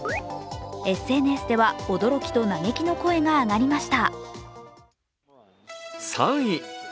ＳＮＳでは驚きと嘆きの声が上がりました。